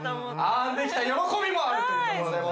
あんできた喜びもあるというところでございます。